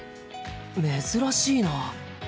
珍しいな。